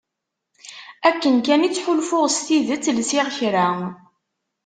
Akken kan i ttḥulfuɣ s tidet lsiɣ kra.